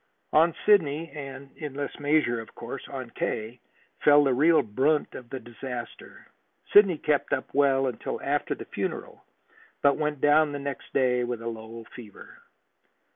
On Sidney and in less measure, of course, on K. fell the real brunt of the disaster. Sidney kept up well until after the funeral, but went down the next day with a low fever.